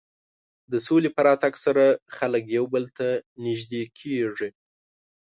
د سولې په راتګ سره خلک یو بل ته نژدې کېږي.